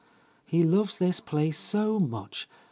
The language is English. "He loves this place so much.